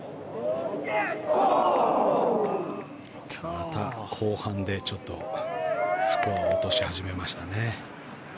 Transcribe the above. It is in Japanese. また後半でちょっとスコアを落とし始めましたね。